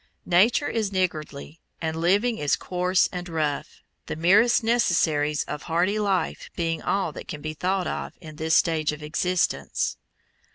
Nature is niggardly, and living is coarse and rough, the merest necessaries of hardy life being all that can be thought of in this stage of existence.